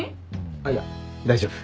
あっいや大丈夫。